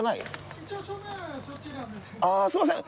ああすいません。